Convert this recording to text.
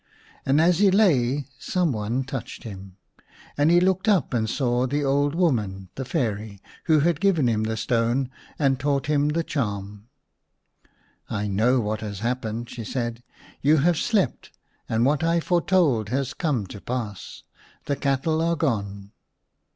And as he lay some one touched him, and he looked up and saw the old woman, the Fairy, who had given him the stone and taught him the charm. " I know what has happened," she said ;" you have slept, and what I foretold has come to pass the cattle are gone."